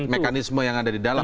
mekanisme yang ada di dalam